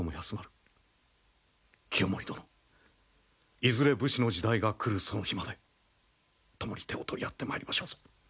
清盛殿いずれ武士の時代が来るその日まで共に手を取り合ってまいりましょうぞ。